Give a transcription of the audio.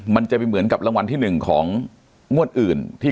มันจะเป็นเหมือนกับรางวัลที่หนึ่งของมวดอื่น